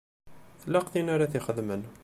Tlaq tin ara t-ixedmen.